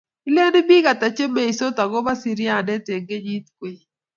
ileni biik ata che meisot akobo seriande eng kenyit kwekeny?